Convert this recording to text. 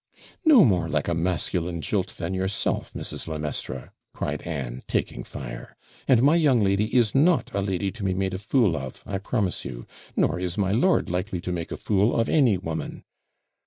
'No more like a masculine jilt than yourself, Mrs. le Maistre,' cried Anne, taking fire. 'And my young lady is not a lady to be made a fool of, I promise you; nor is my lord likely to make a fool of any woman.'